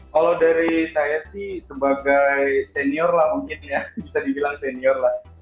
kalau dari saya sih sebagai senior lah mungkin ya bisa dibilang senior lah